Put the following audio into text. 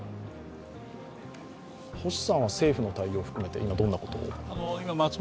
星さんは政府の対応含めて今どんなことを？